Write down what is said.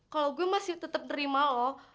kalau gue masih tetap nerima lo